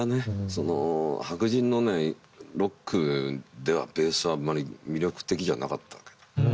その白人のロックではベースはあんまり魅力的じゃなかったわけ。